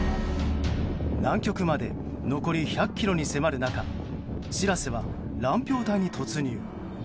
南極まで残り１００ｋｍに迫る中「しらせ」は乱氷帯に突入。